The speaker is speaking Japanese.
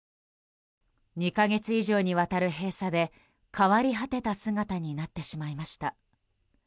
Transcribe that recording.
２か月以上にわたる閉鎖で変わり果てた姿になってしまいました。